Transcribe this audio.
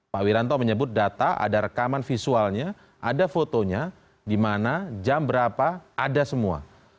pak wiranto menyebut data ada rekaman visualnya ada fotonya di mana jam berapa ada semua